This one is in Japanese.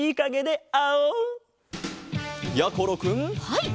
はい。